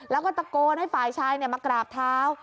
แล้วก็ตะโกนให้ฝ่ายชายมากราบเท้า